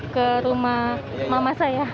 ke rumah mama saya